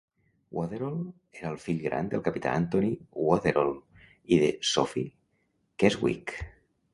Weatherall era el fill gran del capità Anthony Weatherall i de Sophy Keswick.